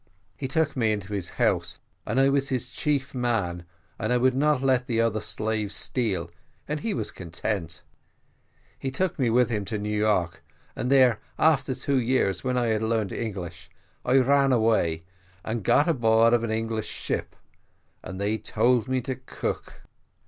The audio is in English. He took me into his house, and I was his chief man, and I would not let the other slaves steal, and he was content. He took me with him to New York, and there after two years, when I had learned English, I ran away, and got on board of an English ship and they told me to cook.